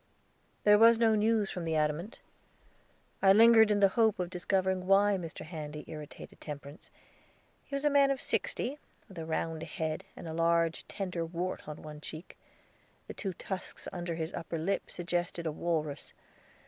There was no news from the Adamant. I lingered in the hope of discovering why Mr. Handy irritated Temperance. He was a man of sixty, with a round head, and a large, tender wart on one cheek; the two tusks under his upper lip suggested a walrus.